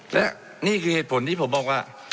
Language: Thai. และนี่คือเหตุผลที่ผมบอกว่า